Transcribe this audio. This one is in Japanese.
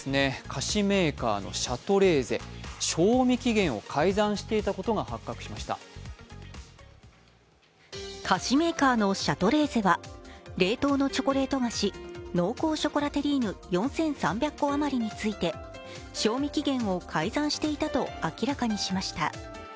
菓子メーカーのシャトレーゼ賞味期限を改ざんしていたことが発覚しました菓子メーカーのシャトレーゼは冷凍のチョコレート菓子、濃厚ショコラテリーヌ４３００個余りについて賞味期限を改ざんしていたと明らかにしました。